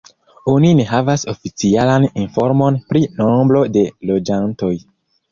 Oni ne havas oficialan informon pri nombro de loĝantoj.